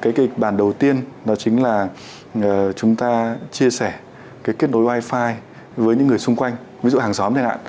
cái kịch bản đầu tiên đó chính là chúng ta chia sẻ cái kết nối wifi với những người xung quanh ví dụ hàng xóm này ạ